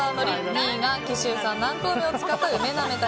２位が紀州産南高梅を使った梅なめ茸。